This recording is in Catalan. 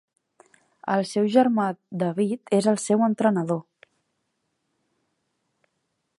El seu germà David és el seu entrenador.